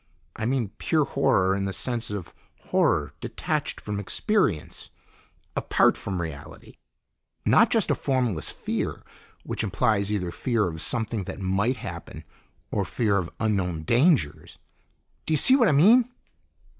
"I mean pure horror in the sense of horror detached from experience, apart from reality. Not just a formless fear, which implies either fear of something that might happen, or fear of unknown dangers. Do you see what I mean?"